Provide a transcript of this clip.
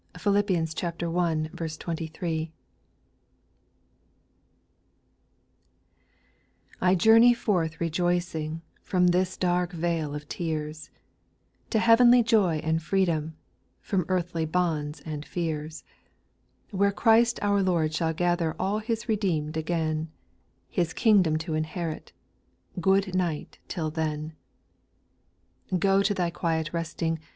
Philippians i. 23. 1. T JOURNEY forth rejoicing, X From this dark vale of tears, To heavenly joy and freedom, From earthly bonds and fears ; "VThere Christ our Lord shall gather All His redeemed again, His kingdom to inherit ;— Good night till then I 2. Go to thy quiet resting.